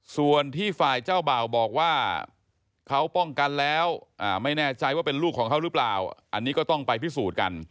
ส่วนที่ฝ่ายเจ้าบ่าวบอกว่าเขาป้องกันแล้วไม่แน่ใจว่าเป็นลูกของเขาหรือเปล่าอันนี้ก็ต้องไปพิสูจน์กัน